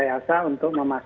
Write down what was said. rekayasa untuk pemerintahan